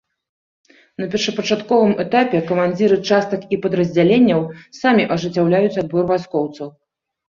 На першапачатковым этапе камандзіры частак і падраздзяленняў самі ажыццяўляюць адбор вайскоўцаў.